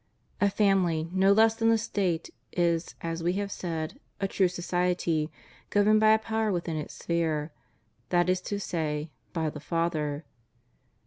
A family, no less than a State, is, as we have said, a true society, governed by a power within its sphere, that is to say, by the father.